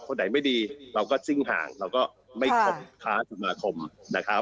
คนไหนไม่ดีเราก็ซิ่งห่างเราก็ไม่ครบค้าสมาคมนะครับ